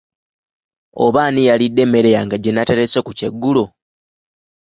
Oba ani yalidde emmere yange gye nnaterese ku kyeggulo?